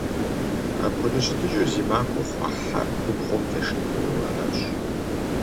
Апхуэдэ щытыкӀэр зи махуэ хъуа хьэр губгъуэм дэшын хуейуэ аращ.